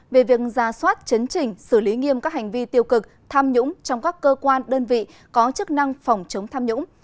về việc ra soát chấn chỉnh xử lý nghiêm các hành vi tiêu cực tham nhũng trong các cơ quan đơn vị có chức năng phòng chống tham nhũng